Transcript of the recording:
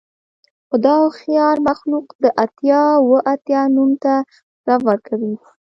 خو دا هوښیار مخلوق د اتیا اوه اتیا نوم ته ځواب ورکوي